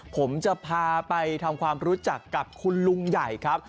ผมจะพาไปทำความรู้จักกับคุณลุงใหญ่ครับ